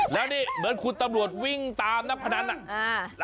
แล้วนี่เหมือนคุณตำรวจวิ่งตามนักพนันอ่ะ